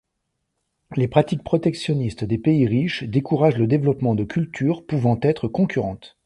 Les pratiques protectionnistes des pays riches découragent le développement de cultures pouvant être concurrentes.